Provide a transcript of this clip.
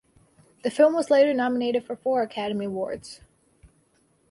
The film was later nominated for four Academy Awards.